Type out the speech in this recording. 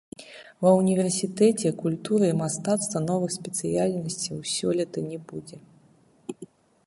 Ва ўніверсітэце культуры і мастацтва новых спецыяльнасцяў сёлета не будзе.